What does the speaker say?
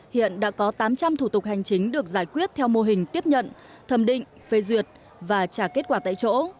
hiện đã có tám trăm linh thủ tục hành chính được giải quyết theo mô hình tiếp nhận thẩm định phê duyệt và trả kết quả tại chỗ